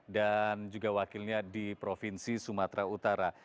dan juga wakilnya di provinsi sumatera utara